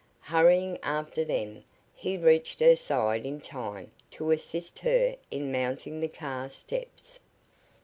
Hurrying after them, he reached her side in time to assist her in mounting the car steps.